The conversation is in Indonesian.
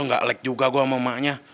nggak leg juga gue sama emaknya